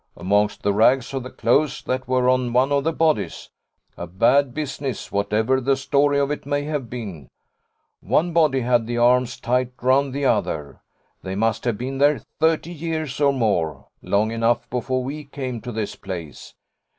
Amongst the rags of the clothes that were on one of the bodies. A bad business, whatever the story of it may have been. One body had the arms tight round the other. They must have been there thirty years or more long enough before we came to this place.